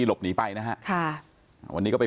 หลบหนีไปวันนี้ก็ไป